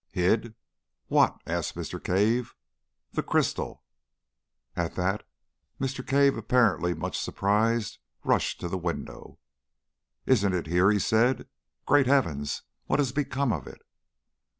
"Hid what?" asked Mr. Cave. "The crystal!" At that Mr. Cave, apparently much surprised, rushed to the window. "Isn't it here?" he said. "Great Heavens! what has become of it?"